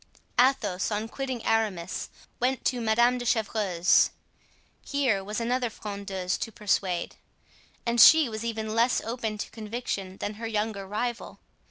Athos, on quitting Aramis, went to Madame de Chevreuse. Here was another frondeuse to persuade, and she was even less open to conviction than her younger rival.